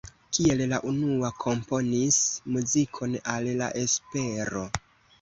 Kiel la unua komponis muzikon al La Espero.